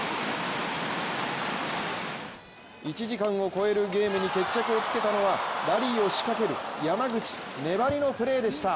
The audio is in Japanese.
１時間を超えるゲームに決着をつけたのはラリーを仕掛ける山口、粘りのプレーでした。